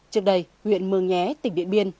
trước đây huyện mường nhé tỉnh điện biên